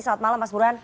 selamat malam mas burhan